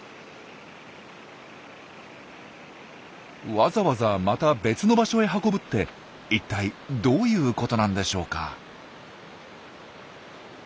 わざわざまた別の場所へ運ぶっていったいどういうことなんでしょうか？